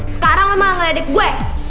sekarang lo mau ngeledek gue